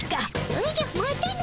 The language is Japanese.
おじゃまたの。